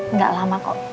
nggak lama kok